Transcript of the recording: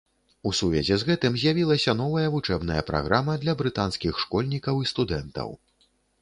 У сувязі з гэтым з'явілася новая вучэбная праграма для брытанскіх школьнікаў і студэнтаў.